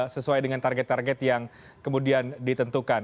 sesuai dengan target target yang kemudian ditentukan